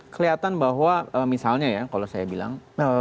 kelihatan bahwa misalnya ya kalau saya bilang